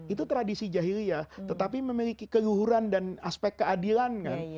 itu tradisi jahiliyah tetapi memiliki keluhuran dan aspek keadilan kan